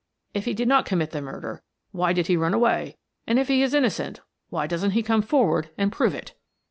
If he did not commit the murder, why did he run away? And if he is innocent, why doesn't he come forward and prove it?"